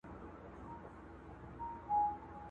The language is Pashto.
د دوی هم د پاچهۍ ویني تودې سوې.!